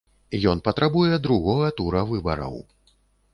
Ён патрабуе другога тура выбараў.